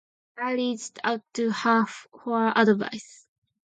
I reached out to her for advice.